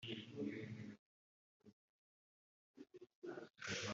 amazu bacumbitsemo kirengera ni meza